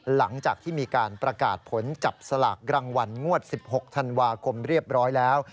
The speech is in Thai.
หลังจากที่มีการประกาศผลจับสลากรางวัลงวด๑๖ธันวาคมเรียบร้อยแล้ว